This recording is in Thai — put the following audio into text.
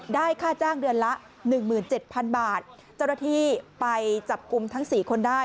ได้ค่าจ้างเดือนละหนึ่งหมื่นเจ็ดพันบาทเจ้าหน้าที่ไปจับกุมทั้งสี่คนได้